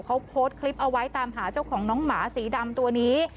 เขาโพสต์คลิปเอาไว้ตามหาเจ้าของน้องหมาสีดำตัวนี้